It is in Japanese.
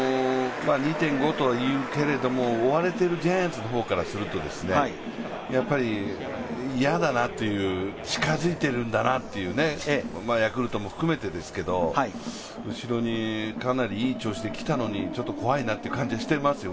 ２．５というけれど、追われているジャイアンツからすると嫌だなという、近づいているんだなという、ヤクルトも含めてですけど、かなりいい感じできたのにちょっと怖いなという感じはしてますよ。